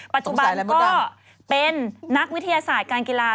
ปัจจุบันก็เป็นนักวิทยาศาสตร์การกีฬา